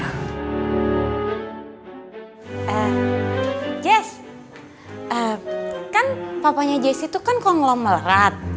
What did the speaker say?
eh jess kan papanya jessy tuh kan kok ngelomelat